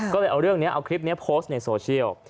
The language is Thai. ก็เลยเอาเรื่องนี้เอาคลิปนี้โพสต์ในโซเชียล